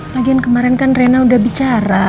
lagian kemarin kan rena udah bicara